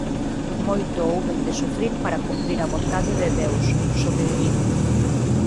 Moito houben de sufrir para cumprir a vontade de Deus, sobrevivindo.